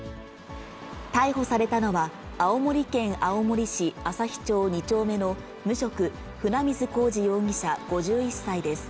逮捕されたのは、青森県青森市旭町２丁目の無職、船水公慈容疑者５１歳です。